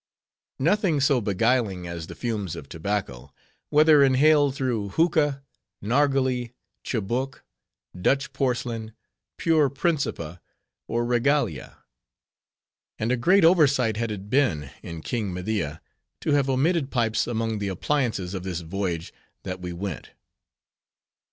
Nothing so beguiling as the fumes of tobacco, whether inhaled through hookah, narghil, chibouque, Dutch porcelain, pure Principe, or Regalia. And a great oversight had it been in King Media, to have omitted pipes among the appliances of this voyage that we went.